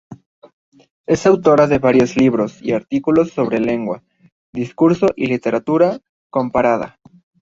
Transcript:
Es autora de varios libros y artículos sobre lengua, discurso y literatura comparada.